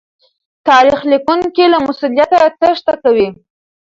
تاريخ ليکونکي له مسوليته تېښته کوي.